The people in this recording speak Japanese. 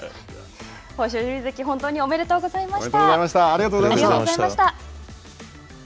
豊昇龍関、本当におめでとうございました。